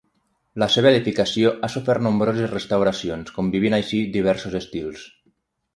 La seva edificació ha sofert nombroses restauracions, convivint així diversos estils.